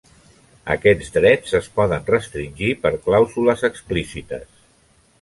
Aquests drets es poden restringir per clàusules explícites.